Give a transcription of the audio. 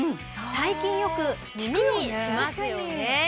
最近よく耳にしますよね。